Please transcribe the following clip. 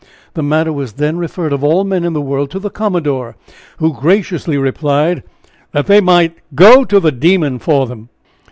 The matter was then referred of all men in the world to the commodore, who graciously replied, that they might go to the demon for him.